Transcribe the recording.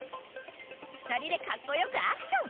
２人で恰好よくアクション！